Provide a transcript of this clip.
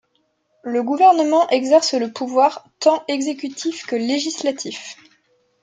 Le gouvernement exerce le pouvoir tant exécutif que législatif.